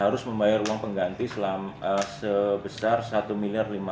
harus membayar uang pengganti sebesar satu miliar lima ratus enam puluh enam juta